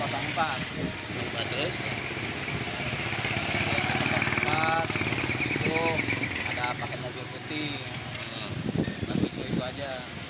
s i empat isu ada pakai mobil putih isu itu saja